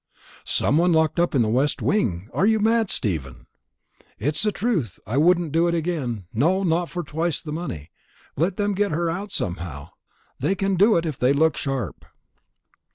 "Some one locked up in the west wing! Are you mad, Stephen?" "It's the truth. I wouldn't do it again no, not for twice the money. Let them get her out somehow. They can do it, if they look sharp."